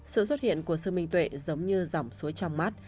sự xuất hiện của sương minh tuệ giống như dòng suối trong mát